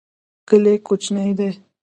کلی کوچنی دی.